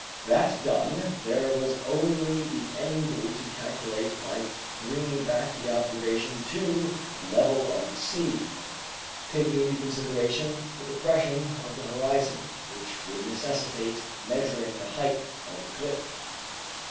That done, there was only the angle to calculate by bringing back the observation to the level of the sea, taking into consideration the depression of the horizon, which would necessitate measuring the height of the cliff.